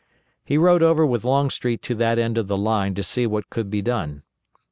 He rode over with Longstreet to that end of the line to see what could be done.